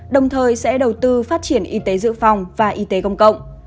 đồng thời sẽ đầu tư phát triển y tế dự phòng và y tế công cộng